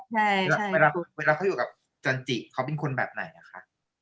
เวลาเขาอยู่กับจันจิเขาเป็นคนแบบไหนอะคะ